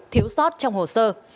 thiếu sót trong hồ sơ